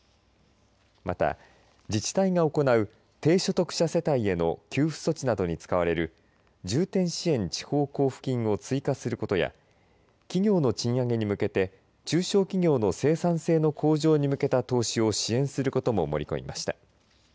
また、自治体が行う低所得者世帯への給付措置などに使われる重点支援地方交付金を追加することや企業の賃上げに向けて中小企業の生産性の向上に向けた投資を支援することも盛り込みました。